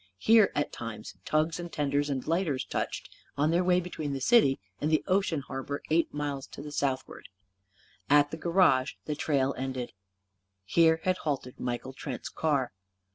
Here, at times, tugs and tenders and lighters touched; on their way between the city and the ocean harbour, eight miles to southward. At the garage the trail ended. Here had halted Michael Trent's car.